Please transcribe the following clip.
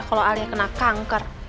kalau arya kena kanker